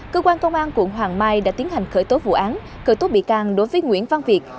cơ quan công an quận hoàng mai đã tiến hành khởi tố vụ án khởi tố bị can đối với nguyễn văn việt